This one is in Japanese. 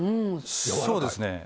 そうですね。